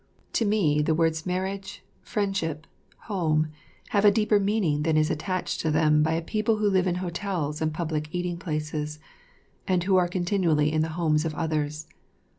To me the words marriage, friendship, home, have a deeper meaning than is attached to them by a people who live in hotels and public eating places, and who are continually in the homes of others.